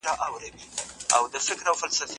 ولي زیارکښ کس د پوه سړي په پرتله ډېر مخکي ځي؟